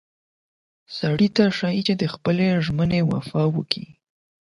سړي ته ښایي چې د خپلې ژمنې وفا وکړي.